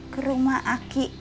ke rumah aki